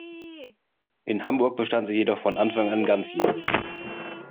In Hamburg bestand sie jedoch von Anfang an ganzjährig.